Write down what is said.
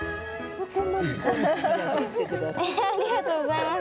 ありがとうございます。